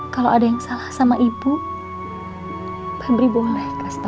kalau ada yang salah sama ibu hamil boleh kasih